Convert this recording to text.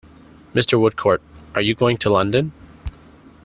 Mr. Woodcourt, are you going to London?